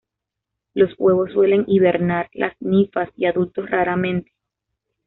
Los huevos suelen hibernar; las ninfas y adultos raramente.